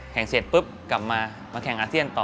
เสร็จปุ๊บกลับมามาแข่งอาเซียนต่อ